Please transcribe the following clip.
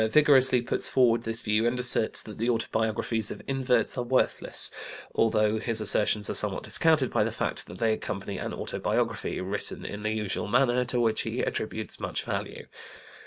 26 28, 1913) vigorously puts forward this view and asserts that the autobiographies of inverts are worthless, although his assertions are somewhat discounted by the fact that they accompany an autobiography, written in the usual manner, to which he attributes much value.